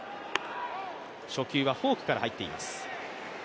初球はフォークから入っています。